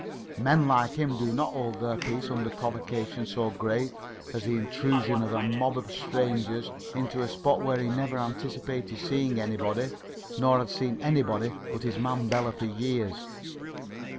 Men like him do not hold their peace under a provocation so great as the intrusion of a mob of strangers into a spot where he never anticipated seeing anybody, nor had seen anybody but his man Bela for years.